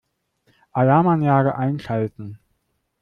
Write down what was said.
Alarmanlage einschalten.